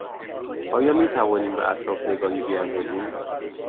آیا می توانیم به اطراف نگاهی بیاندازیم؟